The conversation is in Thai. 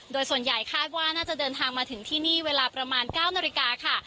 โดยส่วนใหญ่คาดว่าน่าจะเดินทางมาถึงที่นี่เวลาประมาณ๙นาฬิกาค่ะ